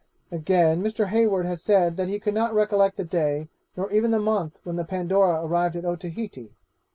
Again, Mr. Hayward has said that he could not recollect the day nor even the month when the Pandora arrived at Otaheite.